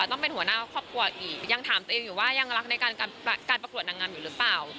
ต้องเป็นหัวหน้าครอบครัวอีกยังถามตัวเองอยู่ว่ายังรักในการประกวดนางงามอยู่หรือเปล่า